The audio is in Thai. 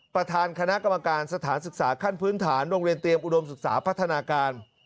ประธานคณะกรรมการสถานศึกษาขั้นพื้นฐานโรงเรียนเตรียมอุดมศึกษาพัฒนาการ